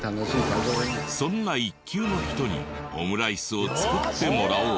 そんな１級の人にオムライスを作ってもらおう！